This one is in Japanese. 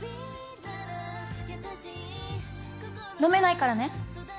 飲めないからね。